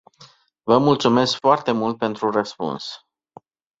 Vă mulțumesc foarte mult pentru răspuns.